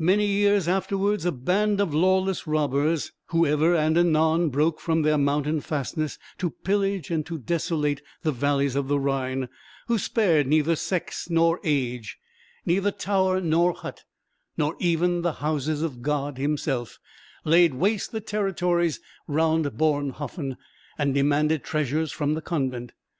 Many years afterwards, a band of lawless robbers, who ever and anon broke from their mountain fastnesses to pillage and to desolate the valleys of the Rhine, who spared neither sex nor age; neither tower nor hut; nor even the houses of God Himself, laid waste the territories round Bornhofen, and demanded treasure from the convent.